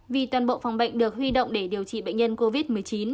vì toàn bộ phòng bệnh được huy động để điều trị bệnh nhân covid một mươi chín